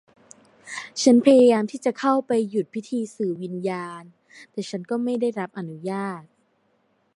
ฉันพยายามที่จะเข้าไปหยุดพิธีสื่อวิญญาณ แต่ฉันก็ไม่ได้รับอนุญาต